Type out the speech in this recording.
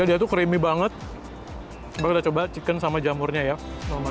jadi itu creamy banget kita coba chicken sama jamurnya ya